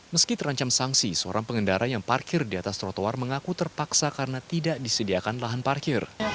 meski terancam sanksi seorang pengendara yang parkir di atas trotoar mengaku terpaksa karena tidak disediakan lahan parkir